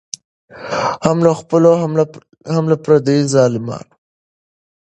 هم له خپلو هم پردیو ظالمانو